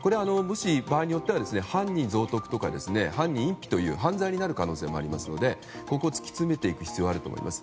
場合によっては犯人蔵匿とか犯人隠避という犯罪になる可能性がありますのでここを突き詰めていく必要があると思います。